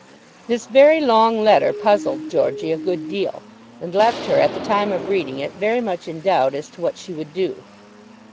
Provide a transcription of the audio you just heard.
This very long letter puzzled Georgey a good deal, and left her, at the time of reading it, very much in doubt as to what she would do.